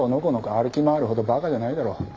歩き回るほど馬鹿じゃないだろ。